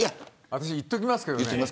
言っときますけどね